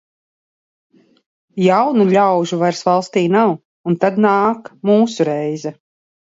Jaunu ļaužu vairs valstī nav, un tad nāk mūsu reize.